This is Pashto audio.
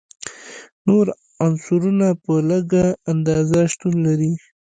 نور عنصرونه په لږه اندازه شتون لري.